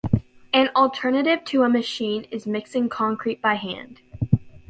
An alternative to a machine is mixing concrete by hand.